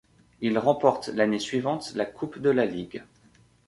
Il remporte l'année suivante la Coupe de la Ligue.